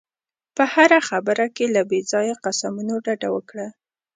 په هره خبره کې له بې ځایه قسمونو ډډه وکړه.